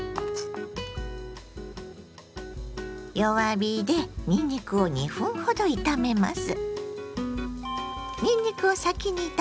弱火でにんにくを２分ほど炒めます。